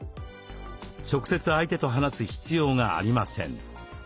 直接相手と話す必要がありません。